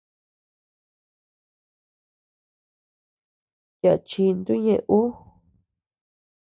Yaʼa chin tu ñeʼe ú.